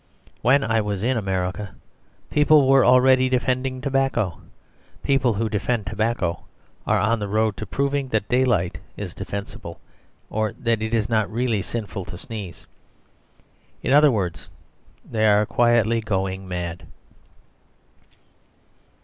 When I was in America, people were already "defending" tobacco. People who defend tobacco are on the road to proving that daylight is defensible, or that it is not really sinful to sneeze. In other words, they are quietly going mad.